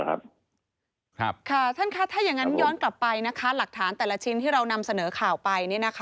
ท่านคะถ้าอย่างนั้นย้อนกลับไปนะคะหลักฐานแต่ละชิ้นที่เรานำเสนอข่าวไป